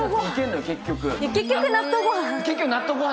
結局納豆ご飯？